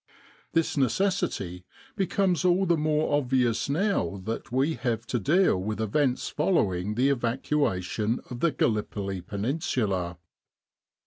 This necessity becomes all the more obvious now that we have to deal with events follow ing the evacuation of the Gallipoli Peninsula.